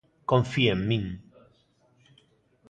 Confíe en min.